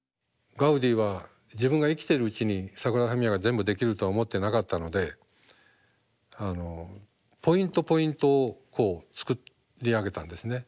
ガウディは自分が生きてるうちにサグラダ・ファミリアが全部できるとは思ってなかったのでポイントポイントをこう作り上げたんですね。